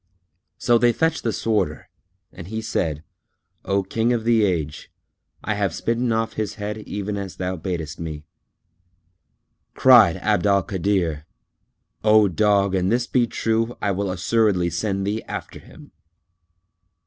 So they fetched the Sworder and he said, "O King of the Age, I have smitten off his head even as thou badest me." Cried Abd al Kadir "O dog, an this be true, I will assuredly send thee after him."